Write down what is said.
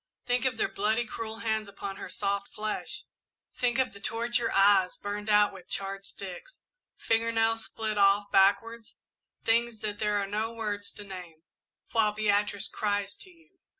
"Think of their bloody, cruel hands upon her soft flesh think of the torture eyes burned out with charred sticks finger nails split off backward things that there are no words to name, while Beatrice cries to you!